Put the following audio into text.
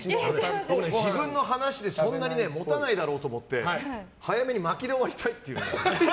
僕ね、自分の話でそんなに持たないだろうと思って早めに巻きで終わりたいっていう。